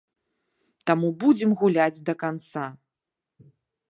Таму будзем гуляць да канца.